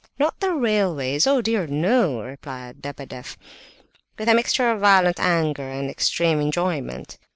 "Not the railways, oh dear, no!" replied Lebedeff, with a mixture of violent anger and extreme enjoyment.